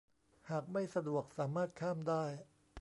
หากไม่สะดวกสามารถข้ามได้